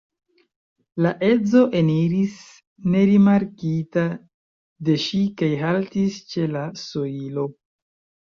La edzo eniris nerimarkita de ŝi kaj haltis ĉe la sojlo.